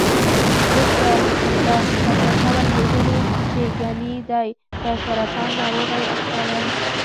ده ته دا وسوسه ور لوېدلې چې ګني دی په سرطان ناروغۍ اخته دی.